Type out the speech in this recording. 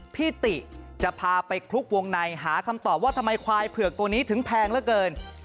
พี่ติจะพาไปคลุกวงในหาคำตอบว่าทำไมควายเผือกตัวนี้ถึงแพงเหลือเกิน